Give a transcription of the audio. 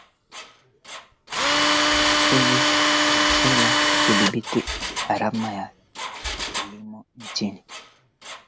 ee halafui nina mariam hamdani mwandishi mkongwe wa habari